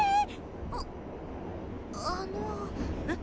ああの。えっ？